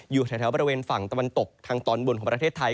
อยู่แถวบริเวณฝั่งตะวันตกทางตอนบนของประเทศไทย